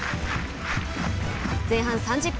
前半３０分。